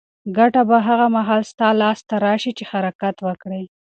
ګټه به هغه مهال ستا لاس ته راشي چې ته حرکت وکړې.